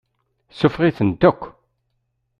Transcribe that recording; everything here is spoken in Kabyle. Suffeɣ-iten akk.